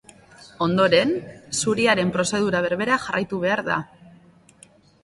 Ondoren, zuriaren prozedura berbera jarraitu behar da.